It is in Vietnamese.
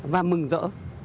và mừng rỡ